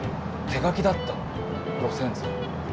手描きだった路線図。